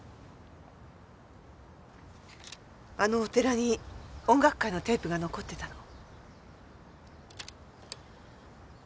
あのお寺に音楽会のテープが残ってたの。